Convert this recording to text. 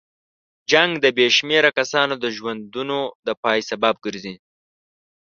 جنګ د بې شمېره کسانو د ژوندونو د پای سبب ګرځي.